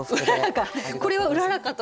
これはうららかという。